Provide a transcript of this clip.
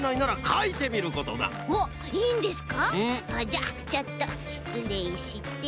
じゃあちょっとしつれいして。